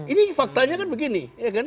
ini faktanya kan begini